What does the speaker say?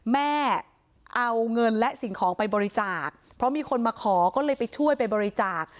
แม่เอาเงินและสิ่งของไปบริจาคเพราะมีคนมาขอก็เลยไปช่วยไปบริจาค